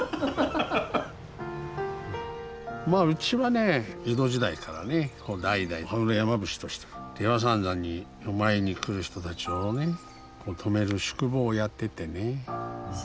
まあうちはね江戸時代からね代々羽黒山伏として出羽三山にお参りに来る人たちをね泊める宿坊をやっててね。